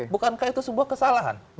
bukankah itu sebuah kesalahan